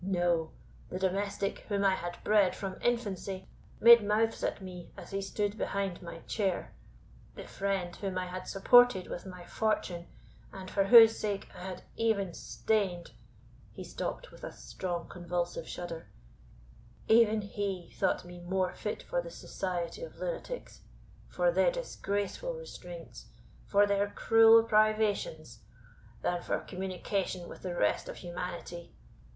No; the domestic whom I had bred from infancy made mouths at me as he stood behind my chair; the friend whom I had supported with my fortune, and for whose sake I had even stained (he stopped with a strong convulsive shudder), even he thought me more fit for the society of lunatics for their disgraceful restraints for their cruel privations, than for communication with the rest of humanity.